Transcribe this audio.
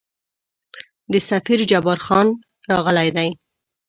د سفیر جبارخان راغلی دی.